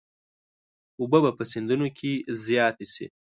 اوبه به په سیندونو کې زیاتې شي.